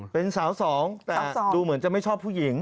เป็นสาวสองแต่ดูเหมือนจะไม่ชอบผู้หญิง